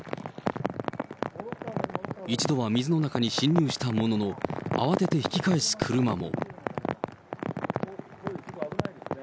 一度は水の中に進入したものの、慌てて引き返す車も。